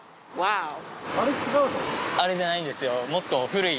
あれじゃないんですよ。